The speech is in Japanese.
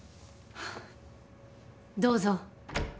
どうぞ。